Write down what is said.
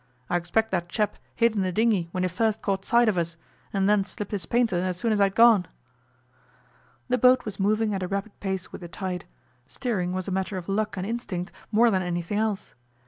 I expect that chap hid in the dinghy when he first caught sight of us, and then slipped his painter as soon as I'd gone.' The boat was moving at a rapid pace with the tide. Steering was a matter of luck and instinct more than anything else.